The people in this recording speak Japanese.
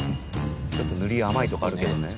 ちょっと塗りが甘いとこあるけどね。